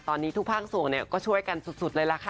ตอนนี้ทุกภาคส่วนก็ช่วยกันสุดเลยล่ะค่ะ